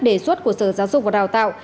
đề xuất của sở giáo dục và đào tạo